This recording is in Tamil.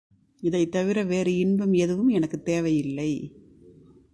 இதைத்தவிர வேறு இன்பம் எதுவும் எனக்குத் தேவையில்லை!